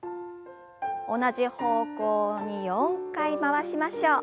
同じ方向に４回回しましょう。